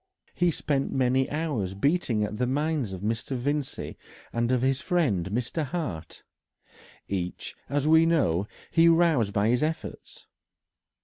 He spent many hours beating at the minds of Mr. Vincey and of his friend Mr. Hart. Each, as we know, he roused by his efforts.